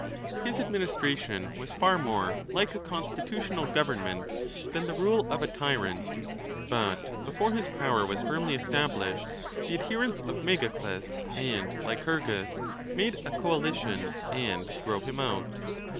His ad ministration was far more like a constitutional government than the rule of a tyrant ; but before his power was firmly established, the adherents of Megacles and Lycurgus made a coalition and drove him out.